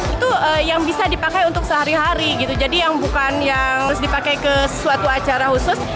itu yang bisa dipakai untuk sehari hari gitu jadi yang bukan yang harus dipakai ke suatu acara khusus